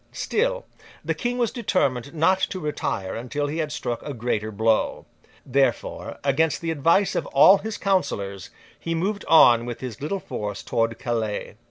Still, the King was determined not to retire until he had struck a greater blow. Therefore, against the advice of all his counsellors, he moved on with his little force towards Calais.